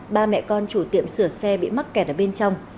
ba mẹ con chủ tiệm sửa xe bị mắc kẹt ở bên trong